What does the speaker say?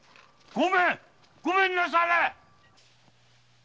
ごめんなされ！